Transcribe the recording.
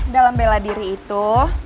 dalam bela diri itu